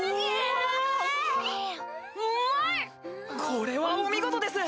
これはお見事です！